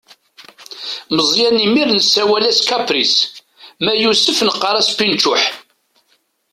Meẓyan imir-n nessawal-as kapris, ma yusef neqqaṛ-as pinčuḥ.